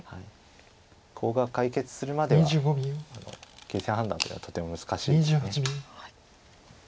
コウが解決するまでは形勢判断っていうのはとても難しいです。